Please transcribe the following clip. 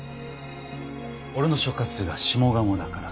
俺の所轄が下鴨だから。